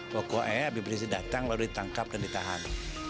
pokok eh abi rizik datang lalu ditangkap dan ditahan